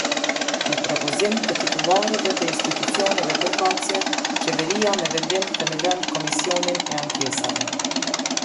Me propozim të titullarëve të institucioneve përkatëse, Qeveria me vendim themelon Komisionin e ankesave.